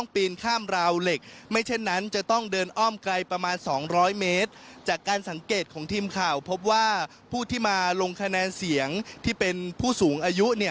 พบว่าผู้ที่มาลงคะแนนเสียงที่เป็นผู้สูงอายุ